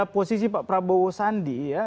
posisi pak prabowo sandi ya